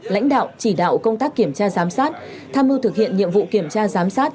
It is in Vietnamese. lãnh đạo chỉ đạo công tác kiểm tra giám sát tham mưu thực hiện nhiệm vụ kiểm tra giám sát